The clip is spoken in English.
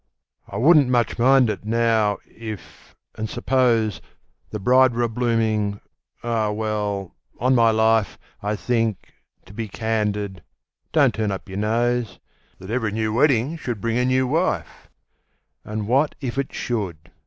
"I wouldn't much mind it, now—if—and suppose— The bride were a blooming—Ah! well—on my life, I think—to be candid—(don't turn up your nose!) That every new wedding should bring a new wife!" "And what if it should?"